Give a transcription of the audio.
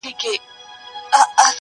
په ځان وهلو باندي ډېر ستړی سو، شعر ليکي~